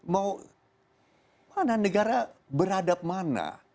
mau mana negara beradab mana